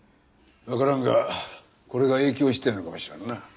わからんがこれが影響してるのかもしれんな。